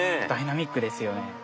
ダイナミックですよね。